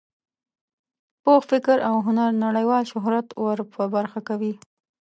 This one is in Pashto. پوخ فکر او هنر نړیوال شهرت ور په برخه کوي.